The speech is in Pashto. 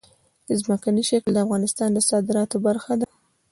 ځمکنی شکل د افغانستان د صادراتو برخه ده.